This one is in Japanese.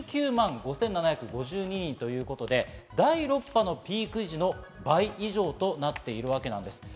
１９万５７５２人ということで第６波のピーク時の倍以上となっているわけです。